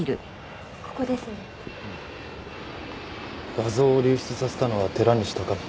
画像を流出させたのは寺西高広。